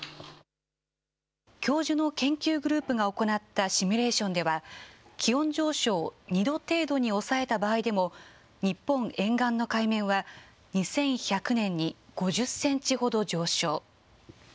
教授の研究グループが行ったシミュレーションでは、気温上昇を２度程度に抑えた場合でも、日本沿岸の海面は２１００年に５０センチほど上昇。